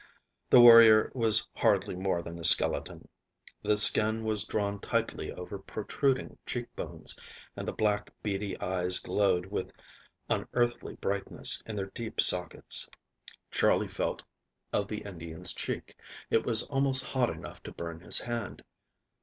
The warrior was hardly more than a skeleton. The skin was drawn tightly over protruding cheek bones, and the black, beady eyes glowed with unearthly brightness in their deep sockets. Charley felt of the Indian's cheek. It was almost hot enough to burn his hand.